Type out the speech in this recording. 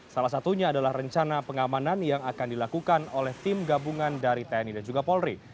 salah satunya adalah rencana pengamanan yang akan dilakukan oleh tim gabungan dari tni dan juga polri